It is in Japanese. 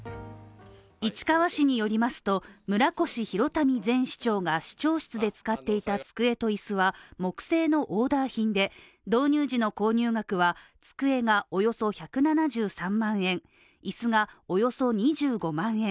市川市によりますと、村越祐民前市長が市長室で使っていた机と椅子は木製のオーダー品で、導入時の購入額は机がおよそ１７３万円、椅子がおよそ２５万円。